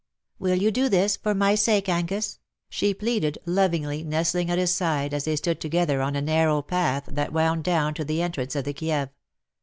Will you do this, for my sake. 142 '^ THE SILVER ANSWER RANG^ — Angus ?^^ she pleaded,, lovingly, nestling at his side, as they stood together on a narrow path that woun d down to the entrance of the Kieve.